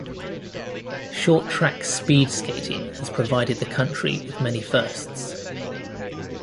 Short track speed skating has provided the country with many firsts.